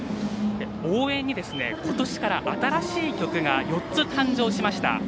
応援に今年から新しい曲が４つ誕生しました。